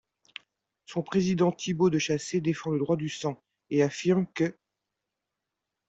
Son président Thibaut de Chassey défend le droit du sang, et affirme qu'.